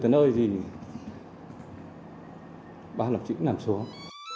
tới nơi gì ba lập trí cũng nằm xuống